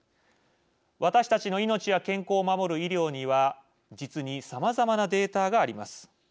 私たちの命や健康を守る医療には実にさまざまなデータがあります。